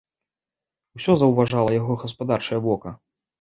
Усё заўважала яго гаспадарчае вока.